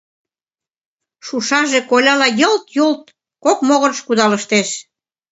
Шушаже коляла йылт-юлт кок могырыш кудалыштеш.